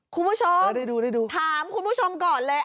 คุณผู้ชมถามคุณผู้ชมก่อนเลย